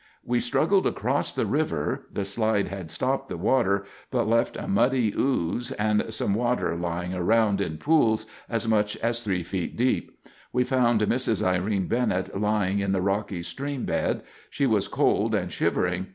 "We struggled across the river—the slide had stopped the water, but left a muddy ooze and some water lying around in pools as much as three feet deep. We found Mrs. Irene Bennett lying in the rocky stream bed. She was cold and shivering.